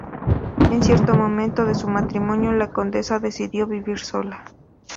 En cierto momento de su matrimonio, la condesa decidió vivir sola.